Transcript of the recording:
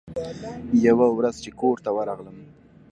يوه ورځ چې کور ته ورغلم.